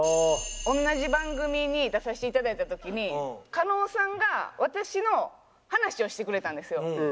同じ番組に出させて頂いた時に加納さんが私の話をしてくれたんですよ。